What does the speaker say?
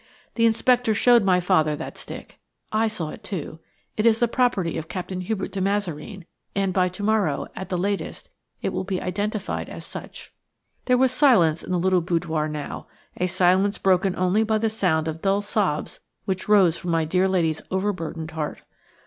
The inspector showed my father that stick. I saw it too. It is the property of Captain Hubert de Mazareen, and by to morrow, at the latest, it will be identified as such." There was silence in the little boudoir now: a silence broken only by the sound of dull sobs which rose from my dear lady's overburdened heart.